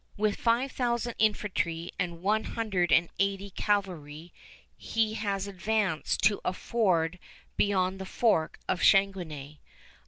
With five thousand infantry and one hundred and eighty cavalry he has advanced to a ford beyond the fork of Chateauguay.